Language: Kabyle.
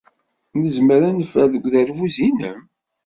Nezmer ad neffer deg uderbuz-nnem?